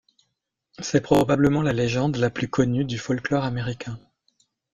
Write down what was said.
C'est probablement la légende la plus connue du folklore américain.